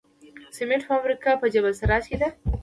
د سمنټو فابریکه په جبل السراج کې ده